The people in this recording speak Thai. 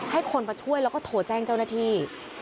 ให้คนมาช่วยแล้วก็โทรแจ้งเจ้าหน้าที่